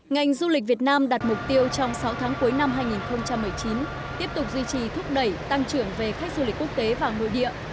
ngành du lịch việt nam đặt mục tiêu trong sáu tháng cuối năm hai nghìn một mươi chín tiếp tục duy trì thúc đẩy tăng trưởng về khách du lịch quốc tế và nội địa